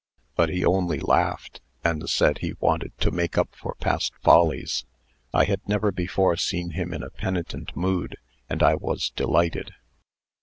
But he only laughed, and said he wanted to make up for past follies. I had never before seen him in a penitent mood, and I was delighted.